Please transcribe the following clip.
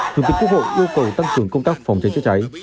thường kịch quốc hội yêu cầu tăng trưởng công tác phòng cháy chữa cháy